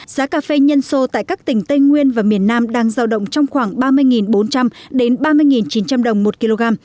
giá cà phê nhân sô tại các tỉnh tây nguyên và miền nam đang giao động trong khoảng ba mươi bốn trăm linh đến ba mươi chín trăm linh đồng một kg